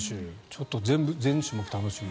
ちょっと全種目楽しみ。